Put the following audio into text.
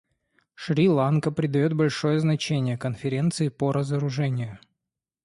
Шри-Ланка придает большое значение Конференции по разоружению.